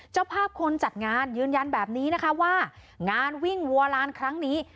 เจ้าภาพคนจัดงานยืนยันแบบนี้นะคะว่างานวิ่งวัวลานครั้งนี้